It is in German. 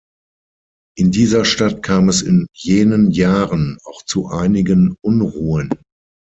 In dieser Stadt kam es in jenen Jahren auch zu einigen Unruhen.